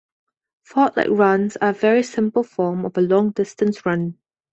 Fartlek runs are a very simple form of a long distance run.